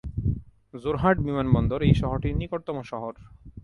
যোরহাট বিমানবন্দর এই শহরটির নিকটতম শহর।